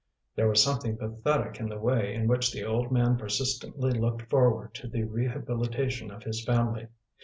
There was something pathetic in the way in which the old man persistently looked forward to the rehabilitation of his family.